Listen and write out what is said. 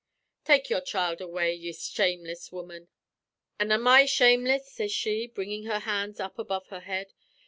'Take your child away, ye shameless woman!' "'An' am I shameless,' sez she, bringin' her hands up above her head.